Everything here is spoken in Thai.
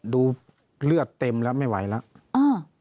ดูเลือดเต็มแล้วไม่ไหวแล้ว